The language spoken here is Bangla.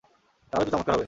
তাহলে তো চমৎকার হবে।